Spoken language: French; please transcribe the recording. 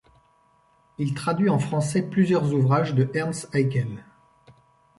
Il traduit en français plusieurs ouvrages de Ernst Haeckel.